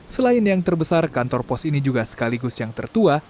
selain yang terbesar kantor pos ini juga sekaligus yang tertua